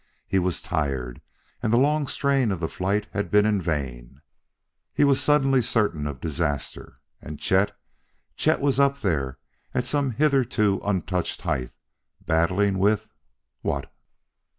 He was tired and the long strain of the flight had been in vain. He was suddenly certain of disaster. And Chet Chet was up there at some hitherto untouched height, battling with what?